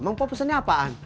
emang pok pesennya apaan